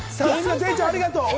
デイちゃん、ありがとう！